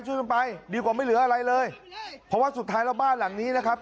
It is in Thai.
ช่วยกันไปดีกว่าไม่เหลืออะไรเลยเพราะว่าสุดท้ายแล้วบ้านหลังนี้นะครับ